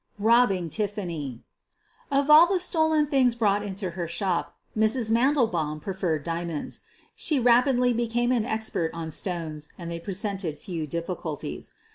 BOBBING TIFFANY Of all the stolen things brought into her shop, Mrs. Mandelbaum preferred diamonds. She rap idly became an expert on stones and they presented few difficulties.